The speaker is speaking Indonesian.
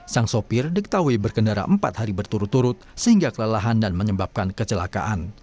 sang sopir diketahui berkendara empat hari berturut turut sehingga kelelahan dan menyebabkan kecelakaan